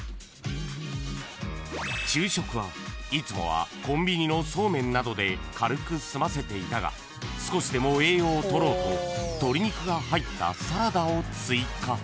［昼食はいつもはコンビニのそうめんなどで軽く済ませていたが少しでも栄養を取ろうと鶏肉が入ったサラダを追加］